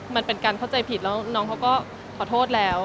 มันเป็นการเข้าใจผิดแล้วน้องเขาก็ขอโทษแล้ว